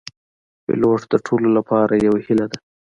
پیلوټ د ټولو لپاره یو هیله ده.